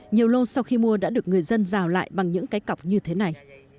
nhiều lô sau khi mua đã được người dân rào lại bằng những cái cọc như thế này